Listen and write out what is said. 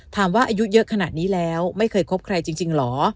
อายุเยอะขนาดนี้แล้วไม่เคยคบใครจริงเหรอ